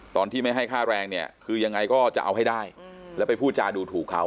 ตอนที่ไม่ให้ค่าแรงเนี่ยคือยังไงก็จะเอาให้ได้แล้วไปพูดจาดูถูกเขา